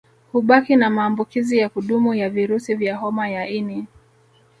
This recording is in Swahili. Hubaki na maambukizi ya kudumu ya virusi vya homa ya ini